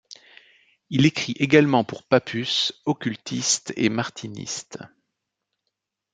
Il écrit également pour Papus, occultiste et martiniste.